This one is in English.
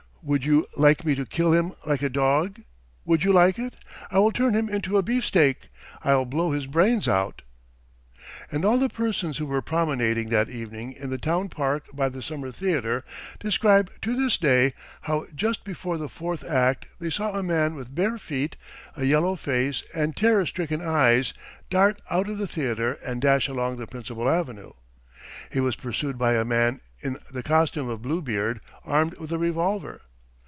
Would you like me to kill him like a dog? Would you like it? I will turn him into a beefsteak! I'll blow his brains out!" And all the persons who were promenading that evening in the town park by the Summer theatre describe to this day how just before the fourth act they saw a man with bare feet, a yellow face, and terror stricken eyes dart out of the theatre and dash along the principal avenue. He was pursued by a man in the costume of Bluebeard, armed with a revolver.